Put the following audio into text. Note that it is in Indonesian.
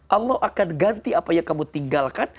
allah akan ganti apa yang kamu tinggalkan